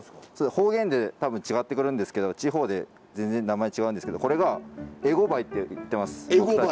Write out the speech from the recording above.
方言で多分違ってくるんですけど地方で全然名前違うんですけどこれがエゴバイっていってます。